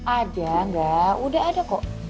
ada enggak udah ada kok